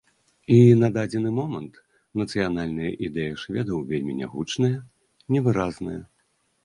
І на дадзены момант нацыянальная ідэя шведаў вельмі нягучная, невыразная.